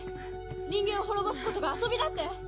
人間を滅ぼすことが遊びだって？